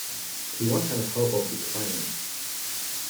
He won't have a hope of declining.